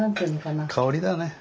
香りだね。